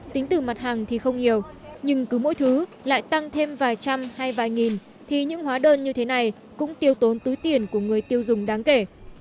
tính từ mặt hàng thì không nhiều nhưng cứ mỗi thứ lại tăng thêm vài trăm hay vài nghìn thì những hóa đơn như thế này cũng tiêu tốn túi tiền của người tiêu dùng đáng kể